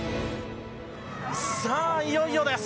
さあ、いよいよです。